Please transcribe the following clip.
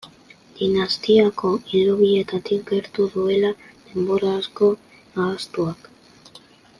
Dinastiako hilobietatik gertu, duela denbora asko ahaztuak.